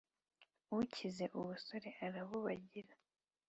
Ukize ubusore arabubagira.